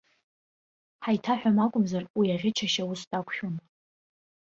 Ҳаиҭаҳәам акәымзар, уи аӷьыч ашьаус дақәшәон!